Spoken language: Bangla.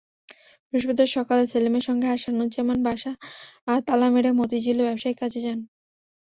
বৃহস্পতিবার সকালে সেলিমের সঙ্গে হাসানুজ্জামান বাসা তালা মেরে মতিঝিলে ব্যবসায়িক কাজে যান।